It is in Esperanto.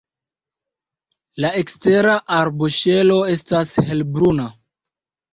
La ekstera arboŝelo estas helbruna.